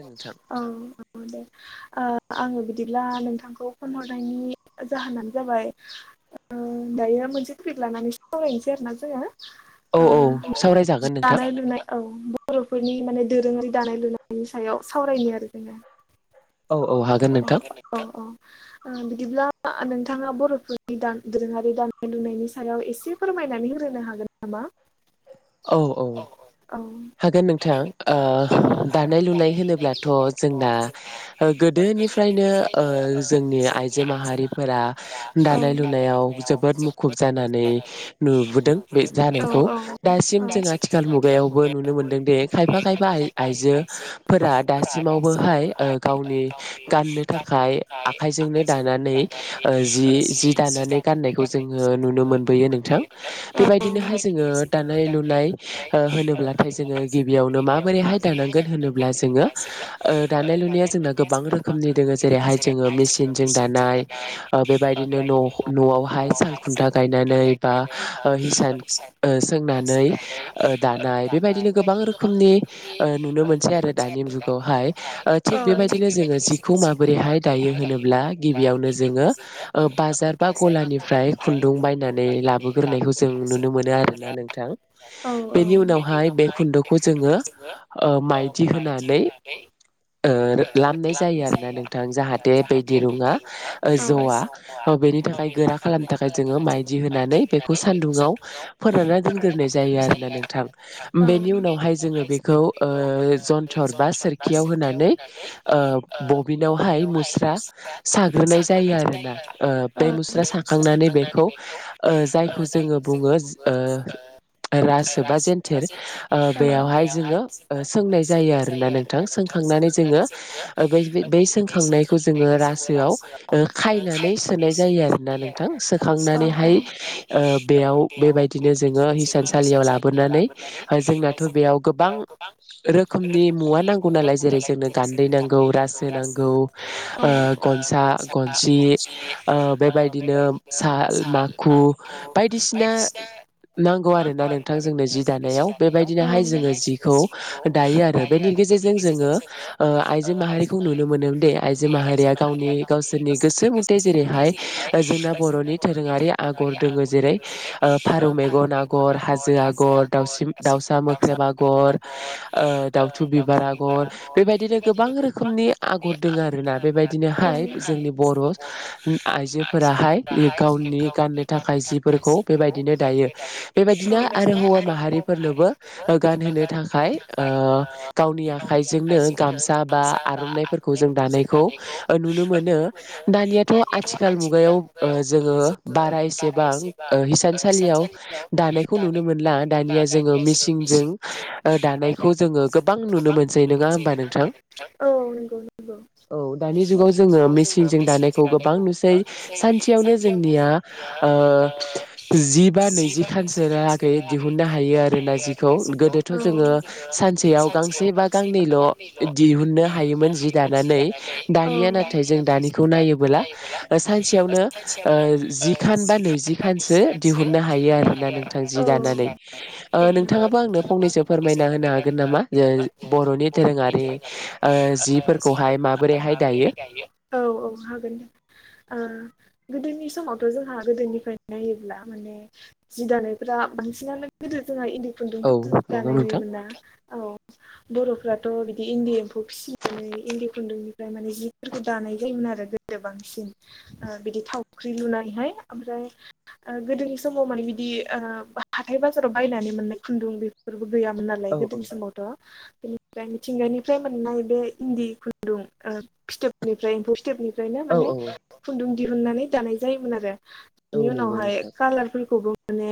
नोंथां औ औ दे। ओ आङो बिदिब्ला नोंथांखौ फन हरनायनि जाहोनानो जाबाय ओ दायो मोनसे टपिक लानानै सावरायनोसै आरो ना जोङो। औ औ ओ सावरायजागोन नोंथां दानाय लुनाय औ बर'फोरनि माने दोरोङारि दानाय लुनाय बिनि सायाव सावरायनि आरो जोङो। औ औ हागोन अ नोंथां अ। ओ बिदिब्ला नोंथाङा बर'फोरनि दोरोङारि दानाय लुनायनि सायाव एसे फोरमायनानै हो होनो हागोन नामा? औ औ। औ हागोन नोंथां ओ दानाय लुनाय होनोब्लाथ' जोंना गो गोदोनिफ्रायनो ओ जोंनि आइजो माहारिफोरा औ दानाय लुनायाव जोबोद मुखुब जानानै नुबोदों बे औ जानायखौ दासिम जों औ आथिखाल मुगायावबो। नुनो मोनदोंदि खायफा खायफा आइ आइजोफोरा दासिमावबोहाय ओ गावनि गाननो थाखाय आखाइजोंनो दानानै ओ जि जि दानानै गाननायखौ जों ङो नुनो मोनबोयो नोंथां बेबायदिनोहाय जोङो दानाय लुनाय होनो ब्लाथाय जोङो गिबियावनो माबोरैहाय दानांगोन होनोब्ला जोङो ओ दानाय लुनाया जोंना गोबां रोखो खोमनि दोङो जेरैहाय जोङो मेसिनजों दानाय बेबायदिनो न'आवहाय सालखु खुन्था गायनानै बा हिसान ओ सोंनानै दानाय। बेबायदिनो गोबां रोखोमनि ओ नुनो मोनसै आरो दानि जुगावहाय ओ थिग बेबायदिनो जोङो जिखौ माबोरैहाय दायो होनोब्ला गिबियावनो जोङो ओ बाजार बा गलानिफ्राय खुन्दुं बायनानै लाबोग्रायखौ जों नुनो मोनो आरोना नोंथां बेनि उनावहाय उनावहाय बे खुन्दु'खौ जोङो ओ माइदि होनानै ओ लामनाय जायो। आरोना नोंथां जाहाथे बे दिरुङा जवा ज'आ बेनि थाखाय गोरा खालामनो थाखाय जोङो मायदि होनानै बेखौ सानदुंआव फोरानना दोनग्रोनाय जायो आरोना नोंथां। बेनि उनावहाय जोङो बेखौ ओ जन्थर बा सोरखियाव होनानै बबिनावहाय मुस्रा साग्रोनाय जायो आरोना ओ बे मुस्रा साखांनानै बेखौ ओ जायखौ जोङो बुङो ओ [unintelligible] रासो बा जेनथेर जोङो बेयावहाय जोङो सोंनाय जायो आरोना नोंथां सों सोंखांनानै जोङो बै सोंखांनायखौ जोङो रासोआव ओ खायनानै सोनाय जायो आरोना नोंथां। सोखांनानैहाय ओ बेयाव बेबायदिनो जोङो हिसान सालियाव लाबोनानै जोंनाथ' बेयाव गोबां रोखोमनि मुवा नांगौ नालाय जेरै जोंनो गान्दै नांगौ। रासो नांगौ ओ गनसा गनसि ओ बेबायदिनो बिदिनो साल माखु बायदिसिना नांगौ आरोना नोंथां जोंनो सि याव बेबायदिनोहाय जोङो जिखौ दायो आरो बेनि गेजेरजों जोङो ओ आइज जो माहारिखौ नुनो मोनोदि आइजो माहारिया गावनि गावसोरनि गोसो मुथे जेरैहाय जों बर'नि धोरोङारि आगर दङ जेरै फारौ मेगन आगर हाजो आगर दाव दाउसा मोख्रेब आगर दाउथु बिबार आगर बेबायदिनो गोबां रोखोम रोखोमनि आगर दङ आरोना बेबायदिनोहाय जोंनि बर' आइजोफोराहाय गावनि गाननो थाखाय जिफोरखौ बेबायदिनो दायो बेबायदिनो आरो हौवा माहारिफोर फोरनोबो गानहोनो थाखाय ओ गावनि आखाइजोंनो गामसा बा आर'नाइफोरखौ जों दानायखौ नुनो मोनो दानियाथ' आथिखाल मुगायाव ओ जोङो बारा एसेबां हिसान सालियाव दानायखौ नुनो मोनला। दानिया जोङो मिसिंजों ओ दानायखौ जोङो गोबां नुनो मोनसै नङा होमबा नोंथां? औ नंगौ नंगौ औ दानि जुगाव जोङो मेसिनजों दानायखौ गोबां नुसै [unintelligible] सानसेयावनो जोंनिया ओ जिबा नैजि खानसो लागै दिहुननाय हायो आरोना जिखौ गोदोथ' जोङो सानसेयाव गांसेबा गांनैल' दिहुननो हायोमोन जि दानानै दानिया नाथाय जों दानिखौ नायोबोला सानसेयाव मावनो जिखान बा नैजि खानसो दिहुननो हायो आरोना नोंथां जि दानानै ओ नोंथाङाबो आंनो फंनैसो फोरमायना होनो हागोन नामा बर'नि [unintelligible] औ ओ जिफोरखौहाय माबोरैहाय दायो औ हागोन दे। गोदोनि समावथ' जोंहा गोदोनिफ्रायनो नायोब्ला माने जि दानायफ्रा बांसिनानो गोदो जोंहा इन्दि औ खुन्दुंफोरजोंसो नंगौ दानाय नोंथां। नुयोमोना औ बर'फ्राथ' इन्दि एम्फौ फिसिनानै इन्दि खुन्दुंनिफ्राय माने जिफोरखौ दानाय जायोमोन आरो गोदो बांसिन। बिदि थावख्रि लुनायहाय ओमफ्राय गोदोनि समाव माने बिदि। हाथाय बाजाराव बायनानै मोननाय खुन्दुं बेफोरबो गैयामोन नालाय औ औ गोदोनि समावथ' बेनिफ्राय मिथिंगानिफ्राय मोननाय बे इन्दि खुन्दुं फिथोबनिफ्राय एम्फौ फिथोबनिफ्रायनो औ माने औ खुन्दुं दिहुननानै दानाय जायोमोन आरो। औ बेनि नंगौ उनावहाय नोंथां कालारफोरखौबो माने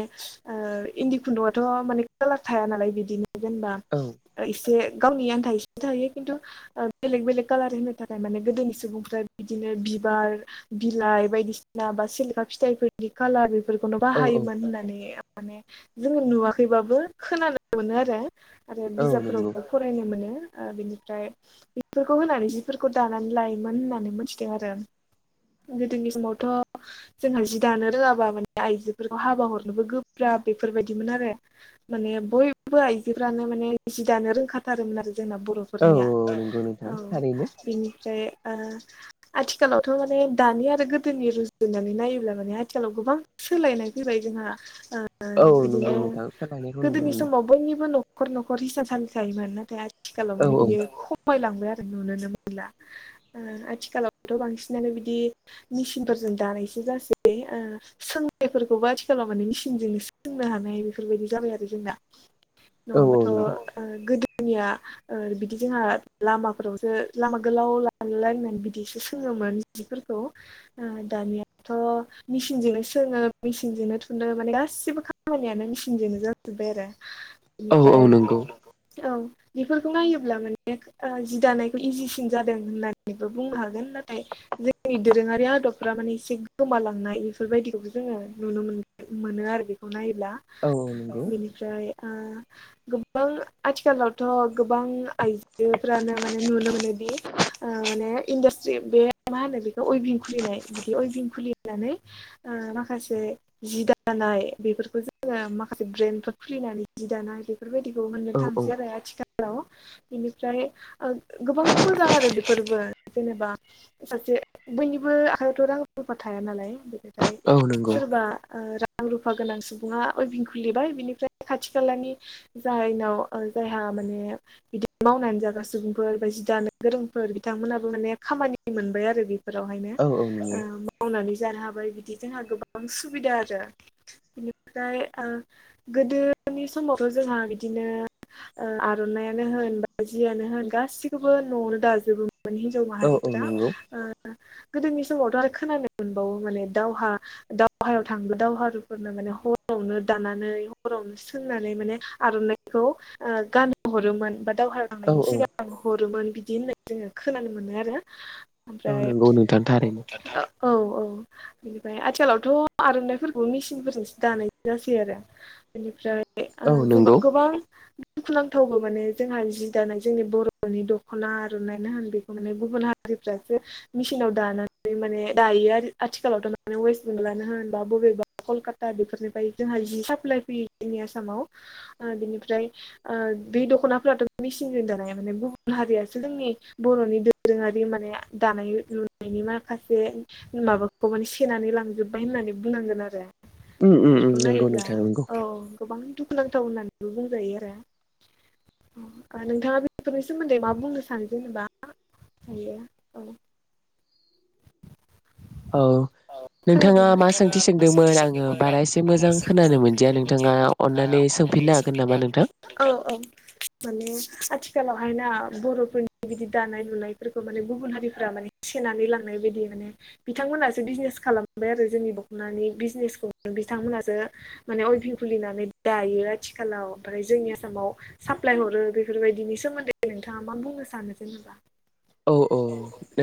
इन्दि खुन्दुंआथ' माने कालार थाया नालाय बिदिनो। जेनबा औ एसे गावनि आनथा। थायो खिन्थु बेलेग बेलेग कालार होनो थाखाय माने गोदोनि सुबुंफ्रा बिदिनो बिबार बिलाइ बायदिसिना बा सिलेखा फिथाइफोरनि खाालार बेफोरखौनो औ औ बाहायोमोन होननानै माने जोंङो नुवाखैबाबो खोनानो मोनो आरो आरो औ नंगौ बिजाबफोरावबो फरायनो मोनो बिनिफ्राय बेफोरखौ होनानै जिफोरखौ दानानै लायोमोन होननानै मोनथिदों आरो गोदोनि समावथ' जोंहा जि दानो रोङाबा माने आइजोफोरखौ हाबा हरनोबो गोब्राब बेफोरबायदिमोन आरो माने बयबो आइजोफ्रानो माने जि दानो रोंखाथारोमोन आरो जोंना औ बर'फोरनिया औ नंगौ औ नोंथां थारैनो बेनिफ्राय ओ आथिखालावथ' माने दानि आरो गोदोनि रुजुनानै नायोब्ला माने आथिखालाव गोबां सोलायनाय फैबाय जोंहा ओ औ बिदिनो नंगौ नोंथां सोलायनायखौ नुनो गोदोनि मोनो समाव बयनिबो न'ख न'खर न'खर हिंसानसालि जायोमोन नाथाय आथिखालाव माने औ बियो औ खमायलां [unintelligible] आरो नुनोनो मोनला ओ आथिखालावथ' बांसिनानो बिदि मसिनफोरजों दानाय एसे [unintelligible] से ओ सोंनायफोरखौबो आथिखालाव माने मेसिनजों सोंनो हानाय बेफोरबायदि जाबाय आरो जोंना औ औ नङाबाथ' ओ नंगौ गोदोनिया ओ बिदि जोंहा लामाफोरावसो लामा गोलाव लालायनानै बिदिसो सोङोमोन फोरखौ ओ दानियाथ' मेसिनजोंनो सोङो मेसिनजोंनो थुनो माने गास गसिबो खामानियानो मेचिनजोंनो जाजोब्बाय आरो औ बेनिफ्राय औ नंगौ औ बेफोरखौ नायोब्ला माने ओ जि दानायखौ इजिसिन जादों होननानैबो बुंनो हागोन नाथाय जोंनि दोरोङारि आदबफ्रा माने एसे गोमालांनाय बेफोरबायदिखौबो जोङो नुनो मोन मोनो आरो आरो बेखौ नायोब्ला औ नंगौ बेनिफ्राय ओ गोबां आथिखालाव थ' गोबां आइजोफ्रानो माने नुनो मोनोदि माने इन्डास्ट्रि बे मा होनो बेखौ उइभिं खुलिनाय बिदि अइभिं खुलिनानै माखासे जि दान नाय बेफोरखौ जोङो माखासे ब्रेन्द फोर खुलिनानै जि दानाय बेफोरबायदिखौ मोननो औ औ थांसै आरो आथिखालाव बेनिफ्राय गोबां मोजां आरो बेफोरबो जेनेबा सासे बयनिबो आखायावथ' रां र रुफा थाया नालाय [unintelligible] फ्राय औ नंगौ सोरबा रां रुफा गोनां सुबुङा उइभिं खुलिबाय बिनिफ्राय खाथि खालानि जायनाव ओ जाय ओ माने बिदि मावनानै जाग्रा सुबुंफोर बा जि दानो गोरोंफोर बिथांमोनाबो माने खामानि मोनबाय आरो बेफोरावहायनो औ औ ओ नंगौ मावनानै जानो हाबाय बिदि जोंहा गोबां सुबिदा आरो बेनिफ्राय ओ गोदो नि समावथ' जोंहा बिदिनो ओ आर'नाइानो होन बा जियानो होन गासिखौबो न'आवनो दाजोबो मोन हिन्जाव औ औ माहारिफोरा नंगौ ओ गोदोनि समावथ' आरो खोनानो मोनबावो माने दावहा दावहायाव थां [unintelligible] दावहारुफोरनो माने हर रावनो दानानै हरावनो सोंनानै माने आर'नाइखौ ओ गान हरोमोन बा दावहा औ लांनायनि औ सिगां हरोमोन बिदि होननाय जोङो खोनानो मोनो आरो औ ओमफ्राय नंगौ नोंथांनि थारैनो औ औ बेनिफ्राय आथिखालावथ' आर'नाइफोरखौ मेचिनफोरजोंसो दानाय जासै आरो बेनिफ्राय ओ औ नंगौ जेबा-गोबां दुखुनांथावबो माने जोंहा जि दानाय जोंनि बर'नि दख'ना आर'नाइना होन बेखौ माने गुबुन हारि रिफ्रासो मिसिनाव दानानै माने दायो आर आथिखालाव थ' माने वेस्ट बेंगलनो होनबा बबे बा कलकाता बेफोरनिफ्राय जोंहा जि साप्लाइ फैयो जोंनि आसामाव ओ बिनिफ्राय ओ बे दख'नाफोराथ' मेसिनजों दानाया माने गुबुन हारियासो जोंनि बर'नि दोरोङारि मान माने दानाय लु-लुनायनि माखासे माबाखौ माने सेनानै लांजोबबाय होननानै बुंनांगोन आरो उम उम उम बेफोरखौ नंगौ नायोब्ला नोंथां नंगौ औ गोबां दुखुनांथाव होननानैबो बुंजायो आरो। ओ नोंथाङा बेफोरनि सोमोन्दै मा बुंनो सानो जेनेबा हायो औ औ। नोंथाङा खोनादोंना? मा सोंथि सोंदोंमोन आङो बारा एसे मोजां खोनानो मोनदिया नोंथाङा अननानै सों औ औ माने आथि आथिखालावहायना बर'फोरनि बिदि दानाय लुनायफोरखौ माने गुबुन हारिफोरा माने सेनानै लां बायदि माने बिथांमोनासो बिजनेस खालामबाय आरो जोंनि दख'नानि बिजनेसखौ बिथांमोनासो अयभिुलिनानै दायो आथिखालाव जोंनि आसामाव साप्लाइ हरो बेफोर बेदिनि सोमोन्दै नोंथाङा मा बुंनो सानो जेनेबा? औ औ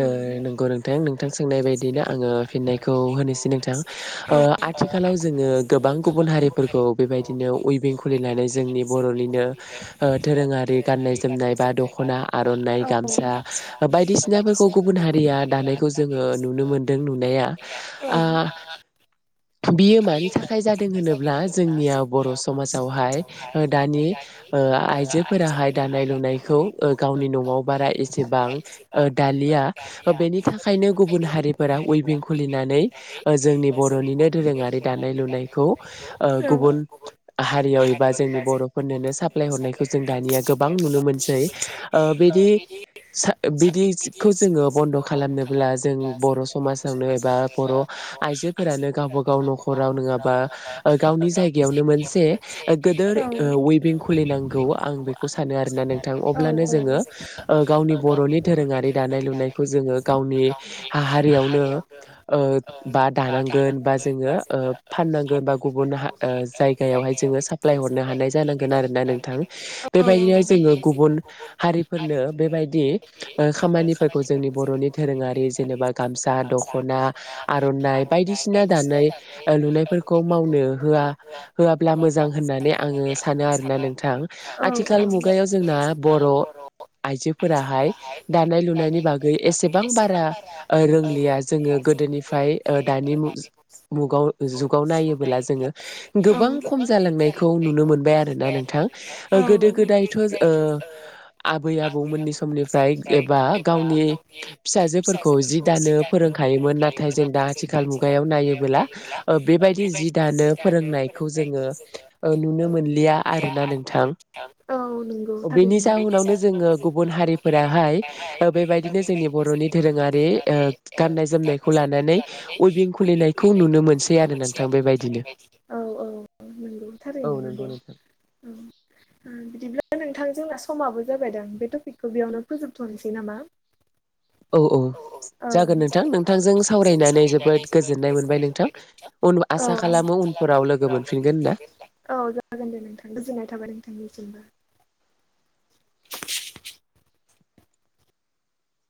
औ नंगौ नों दायो आं नोंथां सोंनाय बायदिनो आङो फिननायखौ होनोसै नोंथां आथिखालाव जोङो गोबां गोबां गुबुन हारिफोरखौ बेबायदिनो उइभिं खुलिनानै जोंनि बर'निनो ओ दोरोङारि गाननाय जोमनाय बा दख'ना आर'नाइ गामसा बायदिसिनाफोरखौ गुबुन हारिया दानायखौ जोङो नुनो मोनदों नुनाया ओ बियो मानि थाखाय जादों होनोब्ला जोंनिया बर' समाजावहाय दानि ओ आइजोफोराहाय दानाय लुनायखौ ओ गावनि न'आव बारा एसेबां ओ दालिआ हो बेनि थाखायनो गुबुन हारिफोरा उइबिं खुलिनानै जोंनि बर'निनो दोरोङारि दानाय लुनाय नायखौ ओ औ गुबुन हारियाव एबा जोंनि बर'फोरनोनो साप्लाय हरनायखौ जों दानि गोबां नुनो मोनसै ओ बिदि बिदिखौ जोङो बन्द' खा खालामनोब्ला जों बर' समाजावनो एबा बर' आइजोफोरानो गावबा गाव न'खराव नो बा गावनि जायगायावनो मोनसे गिदिर औ उनथिं खुलिनांगौ आं खौ सानो आरोना नोंथां अब्लानो जोङो ओगावनि बर'नि दोरोङारि दानाय लुनायखौ जों ओ गावनि हा हारियावनो ओ-बा दानांगोन बा जोङो ओ फाननांगोन बा गुबुन हा ओ जायगायावहाय जोङो साप्लाय हरनो हानाय जानांगोन आरो ना नोंथां बेबायदिनो जोङो गुबुन हारिफोरनो बेबायदि ओ- खामानिफोरखौ जोंनि बर'नि दोरोङारि जेनेबा गामसा दख'ना आर'नाइ बायदिसिना दानाय ओ लुनायफोरखौ मावनो होआ होआब्ला मुवा मोजां होननानै आङो सानो आरोना नोंथां औ औ आथिखाल मुगायाव जोंहा बर' आइजोफोराहाय दानाय लुनायनि बागै एसेबां बारा ओ रोंलिया जोङो गोदोनिफ्राय ओ दानि मु-मुगाव जुगाव नायोबोला जोङो मुगा गोबां खम जालांनायखौ नुनो मोनबाय आरोना नोंथां ओ गोदो आरो गोदायथ' ओ आबै आबौमोननि समनिफ्राय एबा गावनि फिसाजोफोरखौ जि दानो फोरोंखायोमोन नाथाय जों दा आथिखाल मुगायाव नायोबोला ओ-बेबायदि जि दानो फोरोंनायखौ जोङो ओ नुनो मोनलिया आरोना नोंथां औ नंगौ थारैनो बेनि जा ओ गुबन हारिफोराहाय ओ बेबायदिनो जोंनि बर'नि दोरोङारि गाननाय जोमनायखौ लानानै उइबिं खुलिनायखौ नुनो मोनो नुनो मोनसैआरोना दा बेबायदिनो औ औ नंगौ औ थारैनो नंगौ नोंथां। उम बिदिब्ला नोंथां जोंना समाबो जाबाय दां बे टपिकखौ बेयावनो फोजोबथ'नोसै नामा औ औ औ जागोन नोंथां नोंथांजों सावरायनानै जोबोद गोजोननाय मोनबाय नोंथां। उन औ आसा उनफोराव खालामो लोगो उनफ्राव मोनफिनगोन होनना। लोगोमोनफिनगोन होन्ना औ जागोन दे नोंथां गोजोननाय थाबाय नोंथांनिसिमबो।